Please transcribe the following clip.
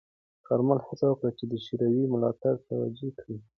کارمل هڅه وکړه چې د شوروي ملاتړ توجیه کړي.